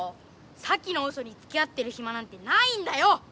サキのウソにつきあってるひまなんてないんだよ！